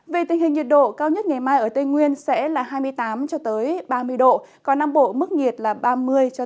về tình hình nhiệt độ cao nhất ngày mai ở tây nguyên sẽ là hai mươi tám ba mươi độ còn nam bộ mức nhiệt là ba mươi ba độ